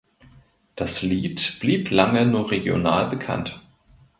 Das Lied blieb lange nur regional bekannt.